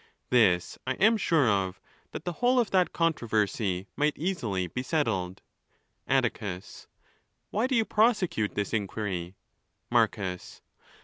This I am sure of, that the whole of that controversy might easily be settled. Atticus.—Why do you prosecute this inquiry ? Marcus.